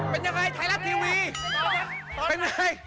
เป็นไง